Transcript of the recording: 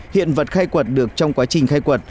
hiện vật khai quật được trong quá trình khai quật